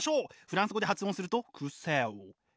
フランス語で発音すると「クセジュ」。